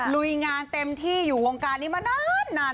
ลุยงานเต็มที่อยู่วงการนี้มานาน